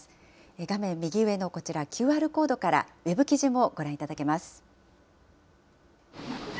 画面右上のこちら、ＱＲコードからウェブ記事もご覧いただけます。